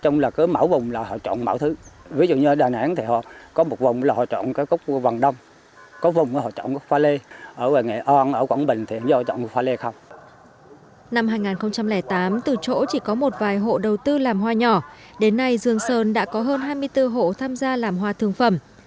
năm hai nghìn tám từ chỗ chỉ có một vài hộ đầu tư làm hoa nhỏ đến nay dương sơn đã có hơn hai mươi bốn hộ tham gia làm hoa thương phẩm